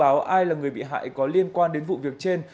báo ai là người bị hại có liên quan đến vụ việc trên